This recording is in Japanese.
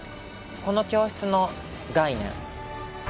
この教室の概念。